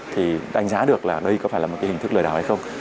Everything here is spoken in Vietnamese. thì đánh giá được là đây có phải là một cái hình thức lừa đảo hay không